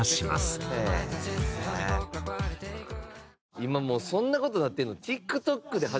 今もうそんな事になってるの？